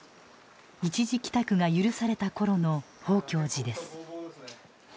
一時帰宅が許された頃の宝鏡寺です。